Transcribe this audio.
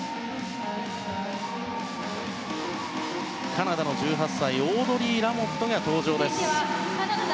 カナダの１８歳オードリー・ラモットが登場。